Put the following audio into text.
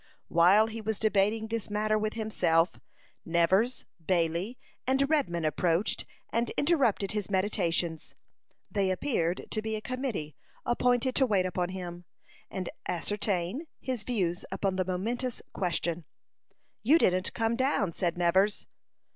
"While he was debating this matter with himself, Nevers, Bailey, and Redman approached, and interrupted his meditations. They appeared to be a committee appointed to wait upon him, and ascertain his views upon the momentous question. "You didn't come down," said Nevers.